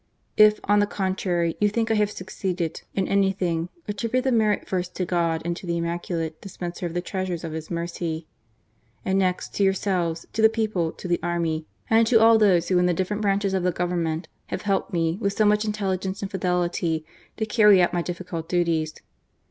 If, on the contrary, you think I have succeeded in anything, attribute the merit first to God and to the Immaculate dispenser of the treasures of His mercy ; CAHCIA yroRENo. and next, to yourselves, to the people, to the army, and to all those who in the different branches of the Government have helped me, with so much intelli gence and fidelity, to carry out my difficult duties."